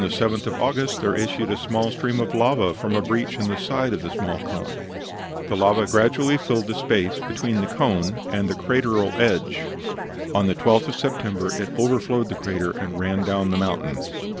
On the 7th of August there issued a small stream of lava from a breach in the side of a small cone; the lava gradually filled the space between the cone and the crateral edge; on the 12th of September it overflowed the crater, and ran down the mountain.